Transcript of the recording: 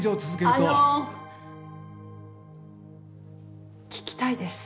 あの聞きたいです。